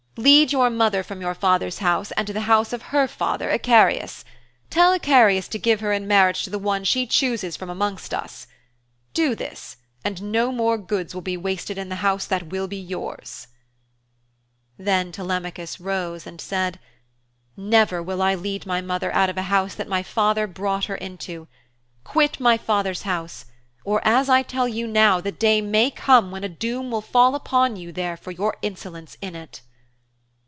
Lead your mother from your father's house and to the house of her father, Icarius. Tell Icarius to give her in marriage to the one she chooses from amongst us. Do this and no more goods will be wasted in the house that will be yours,' Then Telemachus rose and said, 'Never will I lead my mother out of a house that my father brought her into. Quit my father's house, or, as I tell you now, the day may come when a doom will fall upon you there for your insolence in it.'